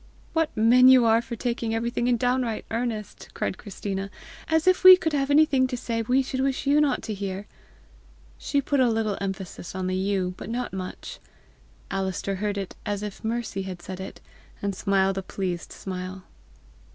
"What men you are for taking everything in downright earnest!" cried Christina; " as if we could have anything to say we should wish YOU not to hear?" She pat a little emphasis on the YOU, hut not much. Alister heard it as if Mercy had said it, and smiled a pleased smile.